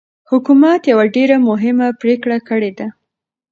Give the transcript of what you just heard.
حکومت يوه ډېره مهمه پرېکړه کړې ده.